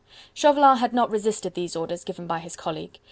Chauvelin had not resisted these orders given by his colleague.